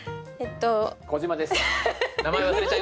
小島です。